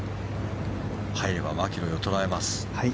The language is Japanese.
入ればマキロイを捉えます。